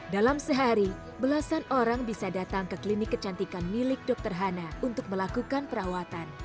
dalam sehari belasan orang bisa datang ke klinik kecantikan milik dokter hana untuk melakukan perawatan